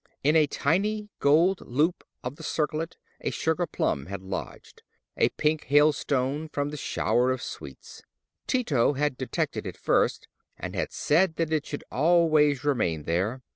In a tiny gold loop of the circlet a sugar plum had lodged—a pink hailstone from the shower of sweets: Tito had detected it first, and had said that it should always remain there.